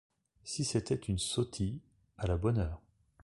Si c’était une sotie, à la bonne heure.